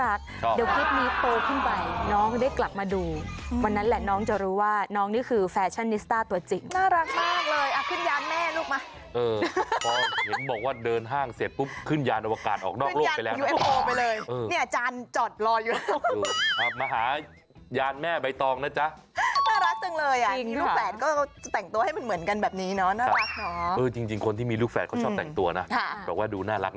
ไอเดียมันเจริญเลิศล้ำแล้วน้องก็ดูน่ารัก